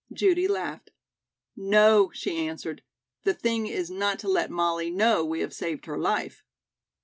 Judy laughed. "No," she answered, "the thing is not to let Molly know we have saved her life."